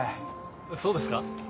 そうですか？